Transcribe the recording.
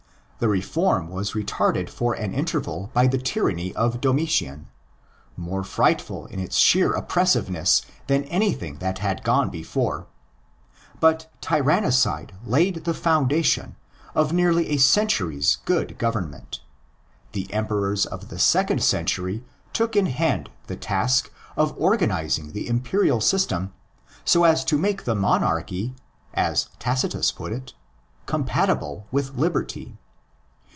The reform was retarded for an interval by the tyranny of Domitian—more frightful in its sheer oppressiveness than anything that had gone before; but tyrannicide laid the foundation of nearly a century's good government. The Emperors of the second century took in hand the task of organising the imperial system so as to make the monarchy, as Tacitus put it, compatible with liberty.